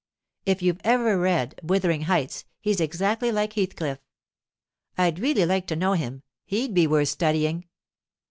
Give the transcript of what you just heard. If you've ever read Wuthering Heights he's exactly like Heathcliff. I'd really like to know him. He'd be worth studying.